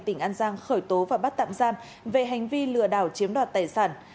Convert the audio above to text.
tỉnh an giang khởi tố và bắt tạm giam về hành vi lừa đảo chiếm đoạt tài sản